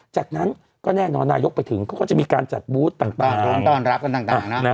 จากนั้นก็แน่นอนนายกไปถึงก็จะมีการจัดบูธต่าง